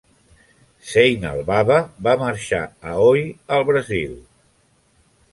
Zeinal Bava va marxar a Oi, al Brasil.